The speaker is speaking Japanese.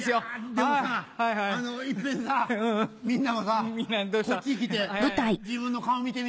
でもさ一遍さみんなもさこっち来て自分の顔見てみ。